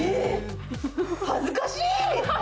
恥ずかしい！